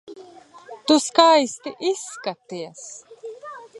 Tu skaisti izskaties.